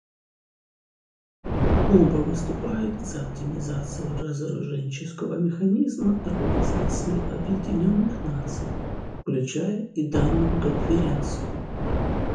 Куба выступает за оптимизацию разоруженческого механизма Организации Объединенных Наций, включая и данную Конференцию.